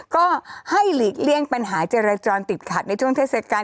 ก็ให้หลีกเลี่ยงปัญหาจราจรติดขัดในช่วงเทศกาล